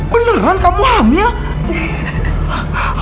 beneran kamu hamil